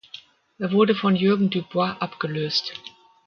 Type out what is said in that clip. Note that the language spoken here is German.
Er wurde von Jürgen Dubois abgelöst.